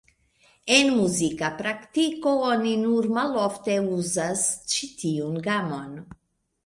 En muzika praktiko oni nur malofte uzas ĉi tiun gamon.